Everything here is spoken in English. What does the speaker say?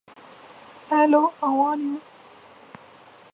Suttles was renowned for hitting for power as well as batting average.